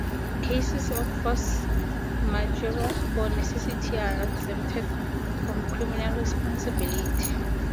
Cases of force majeure or necessity are exempted from criminal responsibility.